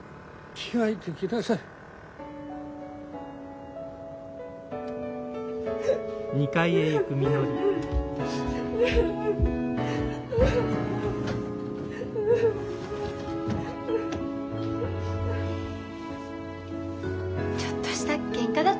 ちょっとしたけんかだと思うよ。